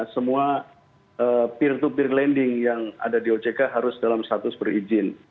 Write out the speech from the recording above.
semua peer to peer lending yang ada di ojk harus dalam status berizin